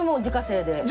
自家製で。